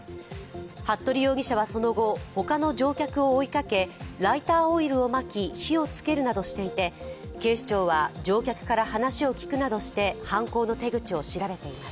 服部容疑者はその後、ほかの乗客を追いかけライターオイルをまき火をつけるなどしていて警視庁は乗客から話を聞くなどして犯行の手口を調べています。